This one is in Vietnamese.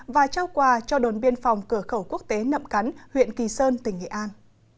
và trao quà cho đồn biên phòng cửa khẩu quốc tế nậm cắn huyện kỳ sơn tỉnh nghệ an